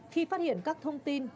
khi phát hiện các thông tin